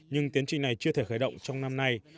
nhưng tiến trình này chưa thể khởi động trong năm nay